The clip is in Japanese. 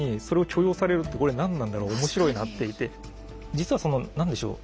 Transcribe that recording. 実はその何でしょう